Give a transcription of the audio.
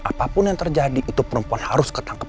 apapun yang terjadi itu perempuan harus ketangkep